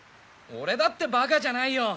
俺だってバカじゃないよ。